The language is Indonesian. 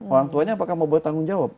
orang tuanya apakah mau bertanggung jawab